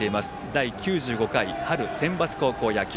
第９５回春センバツ高校野球。